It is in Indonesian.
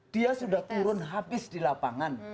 dia sudah turun habis di lapangan kayak gitu kan